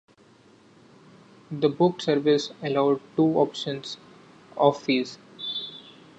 The booked service allowed two options of fees.